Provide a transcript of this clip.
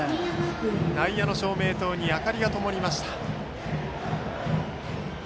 内野の照明塔に明かりがともりました。